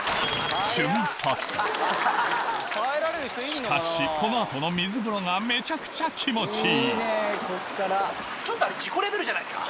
しかしこの後の水風呂がめちゃくちゃ気持ちいいちょっとあれ。